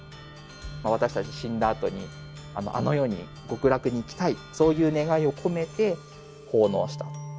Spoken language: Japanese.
私たち死んだあとにあの世に極楽に行きたいそういう願いを込めて奉納した。